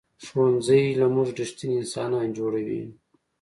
ښوونځی له موږ ریښتیني انسانان جوړوي